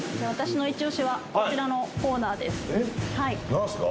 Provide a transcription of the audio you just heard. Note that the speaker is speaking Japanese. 何ですか？